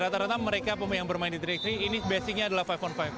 rata rata mereka yang bermain di tiga x tiga ini basicnya adalah lima on lima